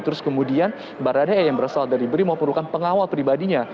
terus kemudian baradei yang berasal dari brimau perlukan pengawal pribadinya